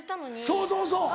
そうそうそう！